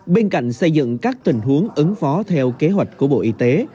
bên cạnh xây dựng các tình huống ứng phó theo kế hoạch của bộ y tế